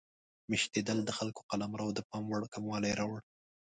میشتېدل د خلکو قلمرو د پام وړ کموالی راوړ.